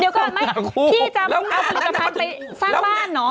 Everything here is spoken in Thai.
เดี๋ยวก่อนเขาไม่ที่จำเราก็ไปสร้างบ้านเนอะ